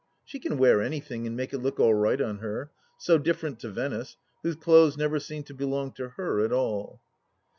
She can wear anything and make it look all right on her ; so different to Venice, whose clothes never seem to belong to her at all.